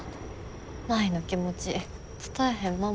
舞の気持ち伝えへん